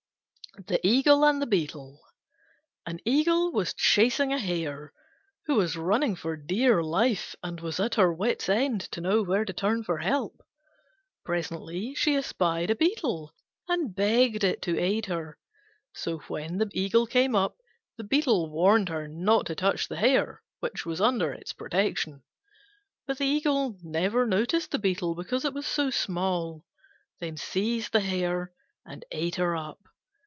THE EAGLE AND THE BEETLE An Eagle was chasing a hare, which was running for dear life and was at her wits' end to know where to turn for help. Presently she espied a Beetle, and begged it to aid her. So when the Eagle came up the Beetle warned her not to touch the hare, which was under its protection. But the Eagle never noticed the Beetle because it was so small, seized the hare and ate her up.